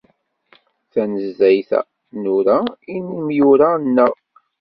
Tanezzayt-a, nura i tnemyura-nneɣ.